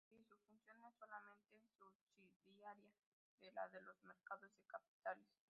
Es decir, su función es solamente subsidiaria de la de los mercados de capitales.